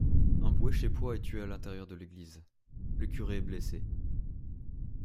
Un Boeschèpois est tué à l'intérieur de l'église, le curé est blessé.